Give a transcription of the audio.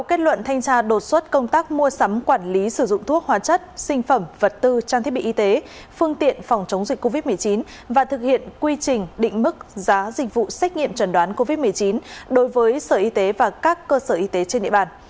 kết luận thanh tra đột xuất công tác mua sắm quản lý sử dụng thuốc hóa chất sinh phẩm vật tư trang thiết bị y tế phương tiện phòng chống dịch covid một mươi chín và thực hiện quy trình định mức giá dịch vụ xét nghiệm trần đoán covid một mươi chín đối với sở y tế và các cơ sở y tế trên địa bàn